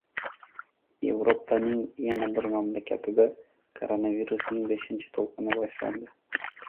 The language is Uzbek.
Evropaning yana bir mamlakatida koronavirusning beshinchi to`lqini boshlandi